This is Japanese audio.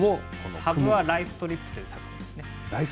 「ハブアライストリップ！」という作品です。